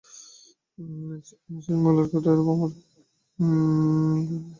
Mrs Muller তোমার ও আমার নামে গ্রিণ্ডলে কোম্পানীর ওখানে টাকা রাখবেন।